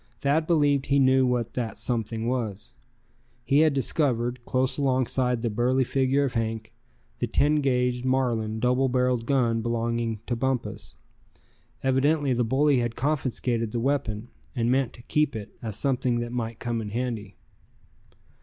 Thad believed he knew what that something was. He had discovered, close alongside the burly figure of Hank, the ten guaged, Marlin, double barreled gun belonging to Bumpus. Evidently the bully had confiscated the weapon, and meant to keep it, as something that might come in handy.